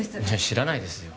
知らないですよ